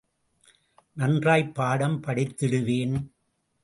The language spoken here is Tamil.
நன்றாய்ப் பாடம் படித்திடுவேன்.